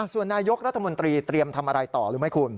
ส่วนนายกรัฐมนตรีเตรียมทำอะไรต่อรู้ไหมคุณ